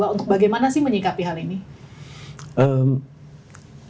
untuk bagaimana sih menyikapi hal ini